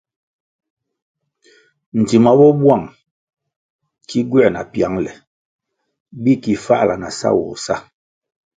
Dzima bo buang ki gywer na piangle bi ki fahla na sawoh sa.